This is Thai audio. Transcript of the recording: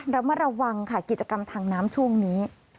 ระมัดระวังค่ะกิจกรรมทางน้ำช่วงนี้